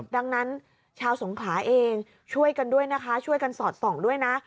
ดังนั้นชาวสงขลาเองช่วยกันด้วยนะคะช่วยกันสอดส่องด้วยนะ